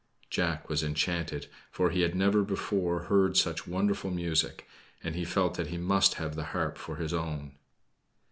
Jack was enchanted, for he had never before heard such wonderful music, and he felt that he must have the harp for his own.